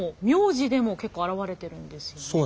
名字でも結構現れてるんですよね。